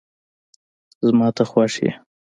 زما ته خوښ یی